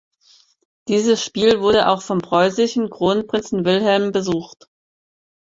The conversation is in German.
Dieses Spiel wurde auch vom preußischen Kronprinzen Wilhelm besucht.